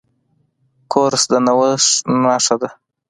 کورس د نوښت نښه ده.